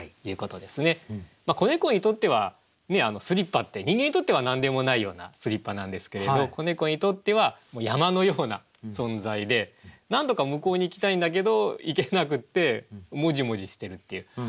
子猫にとってはスリッパって人間にとっては何でもないようなスリッパなんですけれど子猫にとっては山のような存在でなんとか向こうに行きたいんだけど行けなくってもじもじしてるっていう。